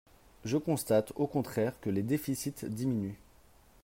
Je constate, au contraire, que les déficits diminuent.